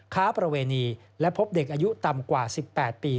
ค้าประเวณีและพบเด็กอายุต่ำกว่า๑๘ปี